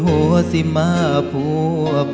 มีแล้วนะครับ